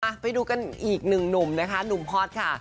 ไปดูกันอีกหนึ่งหนุ่มนะคะหนุ่มฮอตค่ะ